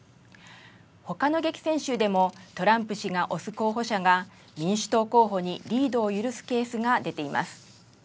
ほかの激戦州でも、トランプ氏が推す候補者が民主党候補にリードを許すケースが出ています。